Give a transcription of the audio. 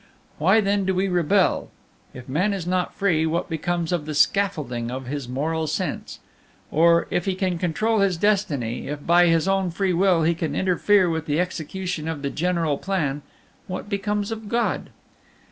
Why then do we rebel? If man is not free, what becomes of the scaffolding of his moral sense? Or, if he can control his destiny, if by his own freewill he can interfere with the execution of the general plan, what becomes of God?